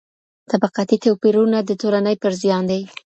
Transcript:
طبقاتي توپیرونه د ټولني پر زیان دي.